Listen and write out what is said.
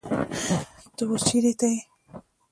تۀ اوس چېرته يې ؟